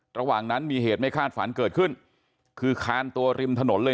ระหว่างนั้นมีเหตุไม่คาดฝันเกิดขึ้นคือคานตัวริมถนนเลย